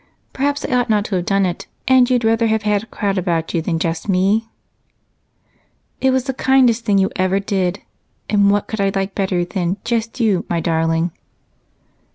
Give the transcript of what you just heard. Perhaps I ought not to have done it and you'd rather have had a crowd about you than just me?" "It was the kindest thing you ever did, and what could I like better than 'just you,' my darling?"